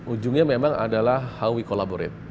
ujungnya memang adalah how we collaborate